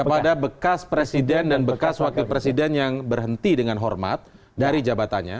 kepada bekas presiden dan bekas wakil presiden yang berhenti dengan hormat dari jabatannya